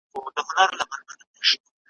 نن به یم سبا بېلتون دی نازوه مي ,